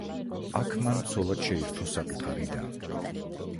აქ მან ცოლად შეირთო საკუთარი და.